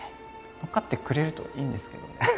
乗っかってくれるといいんですけどね。